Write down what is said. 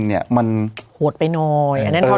โหดไปหน่อยทรมานให้มันตาย